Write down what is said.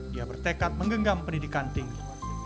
dia bertekad menggenggam pendidikan tinggi